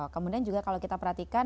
kemudian juga kalau kita perhatikan